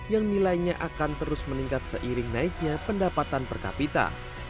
yang nilainya akan terus meningkat seiring naiknya pendapatan per kapita